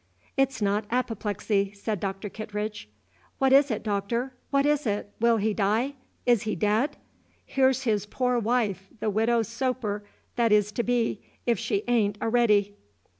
"It's not apoplexy," said Dr. Kittredge. "What is it, Doctor? what is it? Will he die? Is he dead? Here's his poor wife, the Widow Soper that is to be, if she a'n't a'ready."